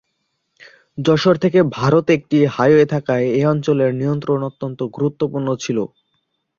যশোর থেকে ভারতে একটি হাইওয়ে থাকায় এ অঞ্চলের নিয়ন্ত্রণ অত্যন্ত গুরুত্বপূর্ণ ছিল।